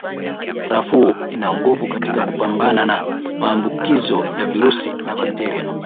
Krafuu ina nguvu katika kupambana na maambukizo ya virusi na bakteria